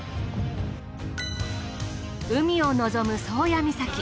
海を望む宗谷岬。